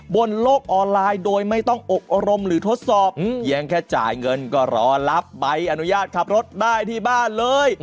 บนโลกออนไลน์โดยไม่ต้องอบรมหรือทดสอบเพียงแค่จ่ายเงินก็รอรับใบอนุญาตขับรถได้ที่บ้านเลย